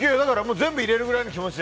全部入れるくらいの気持ちで。